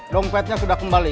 dompetnya sudah kembali